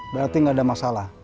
berarti gak ada masalah